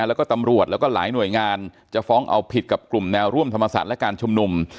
แล้วก็ตำรวจแล้วก็หลายหน่วยงานจะฟ้องเอาผิดกับกลุ่มแนวร่วมธรรมศาสตร์และการชุมนุม